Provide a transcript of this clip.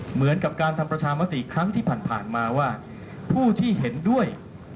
เหมือนกับการทำประชามติครั้งที่ผ่านมาว่าผู้ที่เห็นด้วย